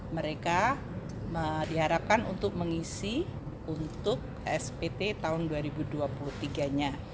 mereka diharapkan untuk mengisi untuk spt tahun dua ribu dua puluh tiga nya